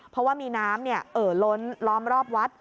เพราะว่ามีน้ำเอ่อล้นล้อมรอบวัด